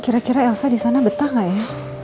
kira kira elsa disana betah gak ya